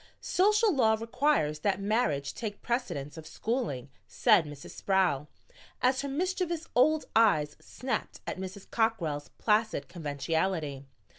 "Social law requires that marriage take precedence of schooling," said Mrs. Sproul, as her mischievous old eyes snapped at Mrs. Cockrell's placid conventionality.